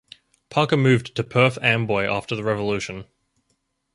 Parker moved to Perth Amboy after the Revolution.